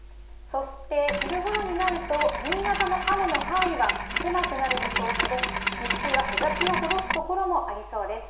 そして昼ごろになると、新潟の雨の範囲は狭くなる見通しで、日中は日ざしの届く所もありそうです。